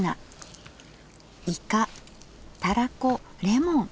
いかたらこレモン。